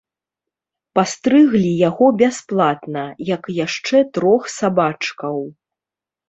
Пастрыглі яго бясплатна, як і яшчэ трох сабачкаў.